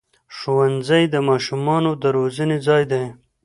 ښوونځی د ماشومانو د روزنې ځای دی